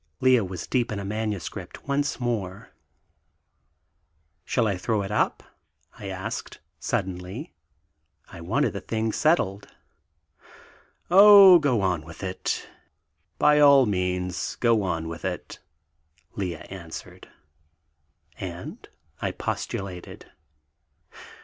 Lea was deep in a manuscript once more. "Shall I throw it up?" I asked suddenly. I wanted the thing settled. "Oh, go on with it, by all means go on with it," Lea answered. "And ...?" I postulated.